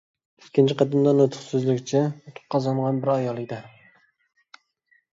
ئىككىنچى قېتىمدا نۇتۇق سۆزلىگۈچى ئۇتۇق قازانغان بىر ئايال ئىدى.